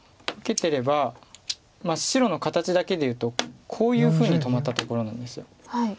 受けてれば白の形だけでいうとこういうふうに止まったところなんです。